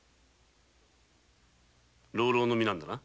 浪々の身なんだな？